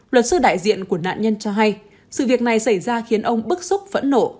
luật sư đại diện của nạn nhân cho hay sự việc này xảy ra khiến ông bức xúc phẫn nộ